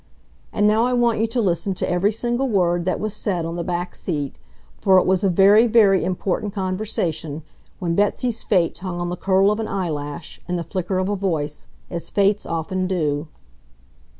And now I want you to listen to every single word that was said on the back seat, for it was a very, very important conversation, when Betsy's fate hung on the curl of an eyelash and the flicker of a voice, as fates often do.